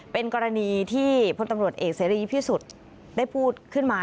เป็นกรณีที่พลตำรวจเอกเสรีพิสุทธิ์ได้พูดขึ้นมา